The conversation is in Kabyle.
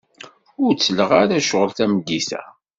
Ur ttleɣ ara ccɣel tameddit-a.